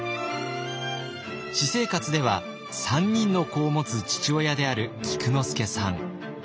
私生活では３人の子を持つ父親である菊之助さん。